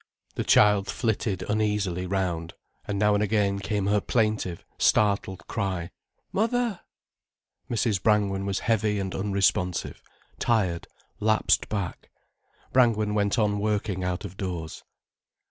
The child flitted uneasily round, and now and again came her plaintive, startled cry: "Mother!" Mrs. Brangwen was heavy and unresponsive, tired, lapsed back. Brangwen went on working out of doors.